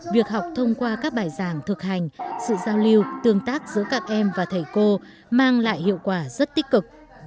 việc học thông qua các bài giảng thực hành sự giao lưu tương tác giữa các em và thầy cô mang lại hiệu quả rất tích cực